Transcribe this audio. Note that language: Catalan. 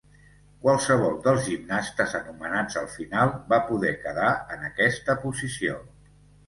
Qualsevol dels gimnastes anomenats al final va poder quedar en aquesta posició.